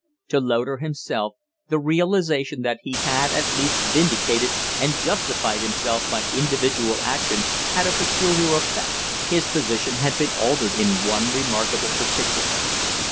To Loder himself, the realization that he had at last vindicated and justified himself by individual action had a peculiar effect. His position had been altered in one remarkable particular.